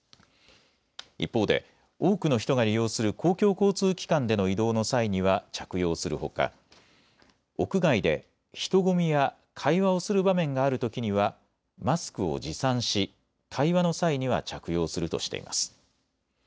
一方で多くの人が利用する公共交通機関での移動の際には着用するほか屋外で人混みや会話をする場面があるときにはマスクを持参し会話の際には着用するとしています。